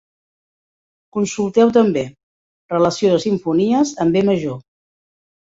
Consulteu també: relació de simfonies en B major.